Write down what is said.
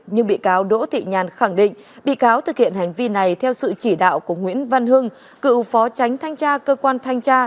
nhưng bị cáo đỗ thị nhàn khẳng định bị cáo thực hiện hành vi này theo sự chỉ đạo của nguyễn văn hưng cựu phó tránh thanh tra cơ quan thanh tra